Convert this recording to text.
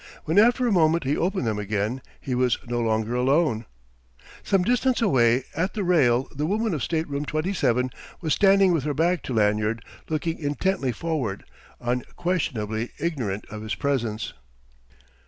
When after a moment he opened them again he was no longer alone. Some distance away, at the rail, the woman of Stateroom 27 was standing with her back to Lanyard, looking intently forward, unquestionably ignorant of his presence.